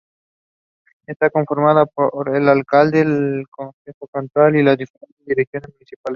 Está conformada por el alcalde, el concejo cantonal y las diferentes direcciones municipales.